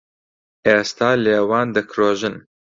ئێستا لێوان دەکرۆژن